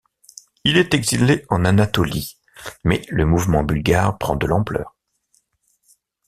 Il est exilé en Anatolie mais le mouvement bulgare prend de l'ampleur.